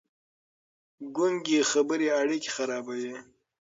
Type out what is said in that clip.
ګونګې خبرې اړيکې خرابوي.